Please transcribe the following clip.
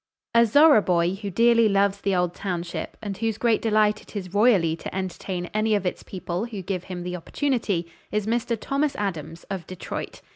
A Zorra boy who dearly loves the old township, and whose great delight it is royally to entertain any of its people who give him the opportunity, is Mr. Thomas Adams, of Detroit.